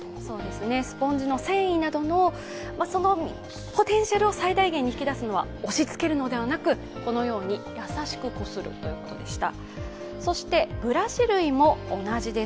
スポンジの繊維などのポテンシャルを最大限に出すのは押しつけるのではなく、このように優しくこするということでした。